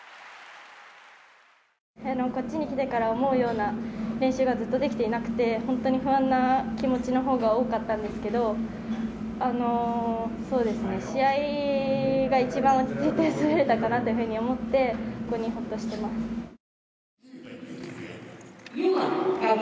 こっちに来てから思うような練習がずっとできていなくて、本当に不安な気持ちのほうが多かったんですけれども、そうですね、試合が一番落ち着いて滑れたかなと思って、本当にほっとしてます。